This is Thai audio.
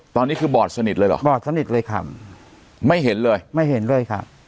ตอนนี้คือบอดสนิทเลยเหรอบอดสนิทเลยครับไม่เห็นเลยไม่เห็นด้วยครับ